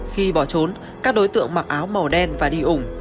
khi bỏ trốn các đối tượng mặc áo màu đen và đi ủng